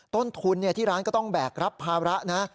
ต้นทุนที่ร้านก็ต้องแบกรับภาระนะ